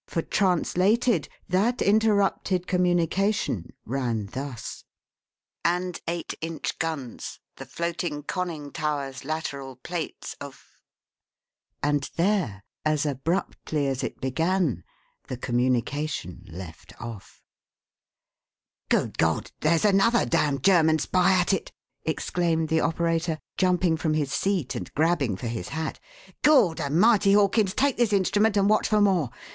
For, translated, that interrupted communication ran thus: "... and eight inch guns. The floating conning tower's lateral plates of ..." And there, as abruptly as it began, the communication left off. "Good God! There's another damned German spy at it!" exclaimed the operator, jumping from his seat and grabbing for his hat. "Gawdermity, Hawkins, take this instrument and watch for more.